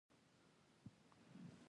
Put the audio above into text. سهار روښنايي دی.